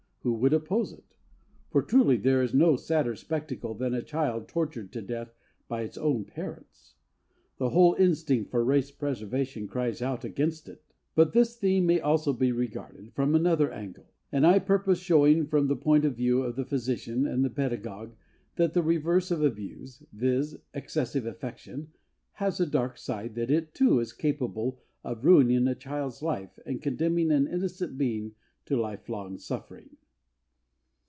Who would oppose it? For truly there is no sadder spectacle than a child tortured to death by its own parents. The whole instinct for race preservation cries out against it.... But this theme may also be regarded from another angle, and I purpose showing from the point of view of the physician and the pedagog that the reverse of abuse, viz., excessive affection, has a dark side, that it, too, is capable of ruining a child's life and condemning an innocent being to lifelong suffering.